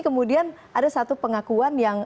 kemudian ada satu pengakuan yang